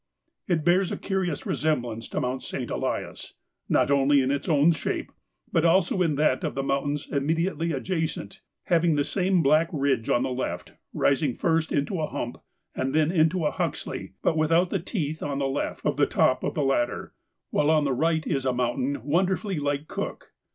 It bears a curious resemblance to Mount St. Elias, not only in its own shape, but also in that of the mountains immediately adjacent, having the same black ridge on the left, rising first into a Hump and then into a Huxley, but without the teeth on the left of the top of the latter, while on the right is a mountain wonderfully like Cook.